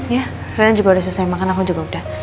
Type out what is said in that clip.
ya kalian juga udah selesai makan aku juga udah